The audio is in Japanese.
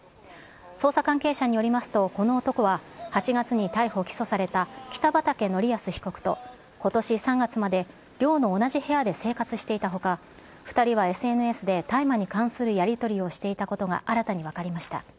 捜査関係者によりますと、この男は、８月に逮捕・起訴された北畠成文被告とことし３月まで寮の同じ部屋で生活していたほか、２人はＳＮＳで大麻に関するやり取りをしていたことが新たに分かりました。